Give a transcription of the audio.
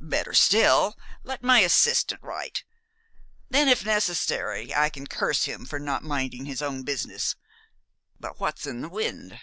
"Better still, let my assistant write. Then if necessary I can curse him for not minding his own business. But what's in the wind?"